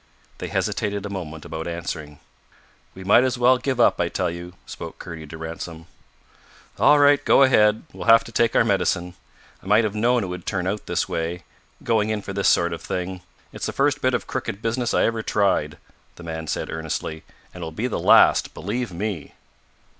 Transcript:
They hesitated a moment about answering. "We might as well give up, I tell you," spoke Kurdy to Ransom. "All right, go ahead, we'll have to take our medicine. I might have known it would turn out this way going in for this sort of thing. It's the first bit of crooked business I ever tried," the man said earnestly, "and it will be the last believe me!"